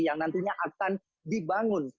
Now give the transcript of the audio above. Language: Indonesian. yang nantinya akan dibangun